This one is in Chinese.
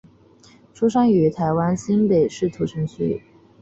出生于台湾新北市土城区。